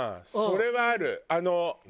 それはある。